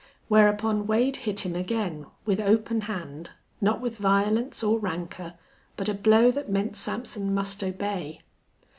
Whereupon Wade hit him again, with open hand, not with violence or rancor, but a blow that meant Sampson must obey.